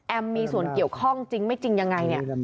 มีส่วนเกี่ยวข้องจริงไม่จริงยังไงเนี่ย